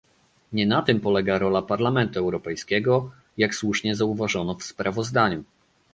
Nie na tym polega rola Parlamentu Europejskiego, jak słusznie zauważono w sprawozdaniu